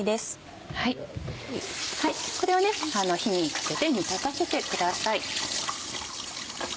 これを火にかけて煮立たせてください。